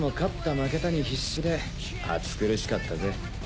負けたに必死で暑苦しかったぜ。